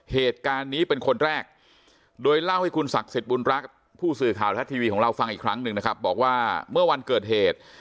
เหตุการณ์นี้เป็นคนแรกโดยเล่าให้คุณศักดิ์สิทธิ์บุญรักษ์ผู้สื่อข่าวทัศน์ทีวีของเราฟังอีกครั้งหนึ่งนะครับบอกว่าเมื่อวันเกิดเหตุ